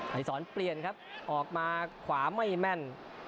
ไอศรเปลี่ยนครับออกมาขวาไม่แม่น